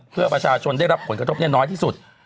เพื่อประชาชนได้รับผลกระทบน้อยที่สุด